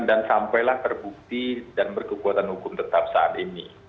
dan sampailah terbukti dan berkekuatan hukum tetap saat ini